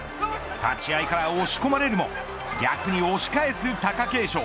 立ち合いから押し込まれるも逆に押し返す貴景勝。